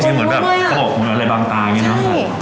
จริงเหมือนแบบเขาบอกผมอะไรบางตาอย่างนี้นะ